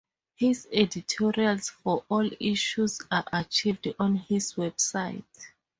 His editorials for all issues are archived on his website.